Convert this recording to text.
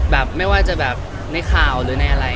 ไม่ว่าจะแบบในข่าวหรือในอะไร